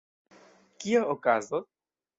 Kio okazos?